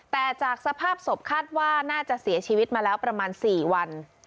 แต่จากสภาพศพคาดว่าน่าจะเสียชีวิตมาแล้วประมาณ๔วัน